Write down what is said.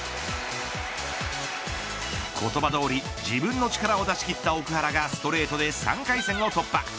言葉どおり自分の力を出し切った奥原がストレートで３回戦を突破。